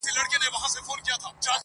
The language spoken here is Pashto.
• ته به خبره نه یې -